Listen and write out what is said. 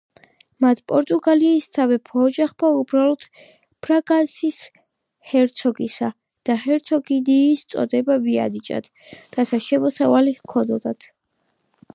მათ პორტუგალიის სამეფო ოჯახმა უბრალოდ ბრაგანსის ჰერცოგისა და ჰერცოგინიის წოდება მიანიჭათ, რათა შემოსავალი ჰქონოდათ.